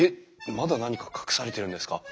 まだ何か隠されてるんですか？